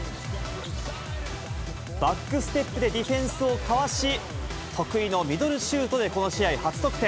バックステップでディフェンスをかわし、得意のミドルシュートでこの試合初得点。